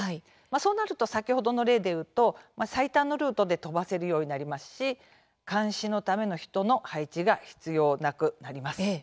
そうなると、先ほどの例でいうと最短のルートで飛ばせるようになりますし監視のための人の配置が必要なくなります。